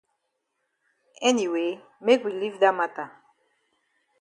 Anyway make we leave dat mata.